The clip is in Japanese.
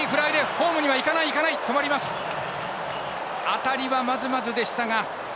当たりは、まずまずでしたが。